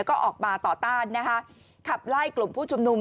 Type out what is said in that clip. ก็ออกมาต่อต้านนะคะขับไล่กลุ่มผู้ชุมนุม